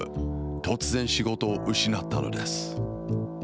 突然、仕事を失ったのです。